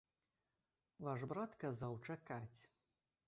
Ваш брат казаў чакаць.